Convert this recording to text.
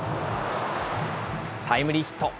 タイムリーヒット。